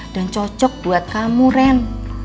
dan cocok buat kamu ren